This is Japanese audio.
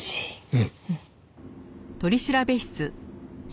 うん。